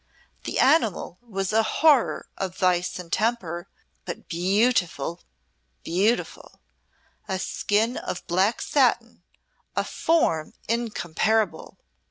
"The animal was a horror of vice and temper, but beautiful, beautiful. A skin of black satin, a form incomparable!